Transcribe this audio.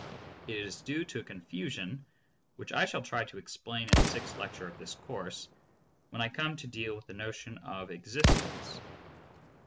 It is due to a confusion which I shall try to explain in the sixth lecture of this course, when I come to deal with the notion of existence.